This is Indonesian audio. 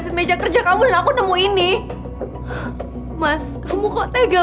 dan ada apa dengan uang seratus juta